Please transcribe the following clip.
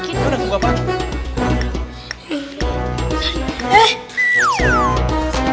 itu mau ngapain tadi